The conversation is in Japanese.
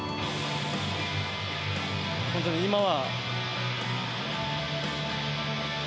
本当に今は。